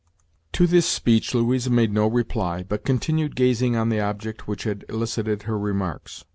To this speech Louisa made no reply, but continued gazing on the object which had elicited her remarks.